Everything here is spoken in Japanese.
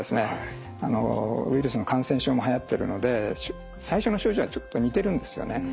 ウイルスの感染症もはやってるので最初の症状はちょっと似てるんですよね。